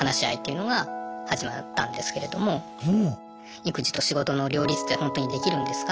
育児と仕事の両立ってほんとにできるんですか？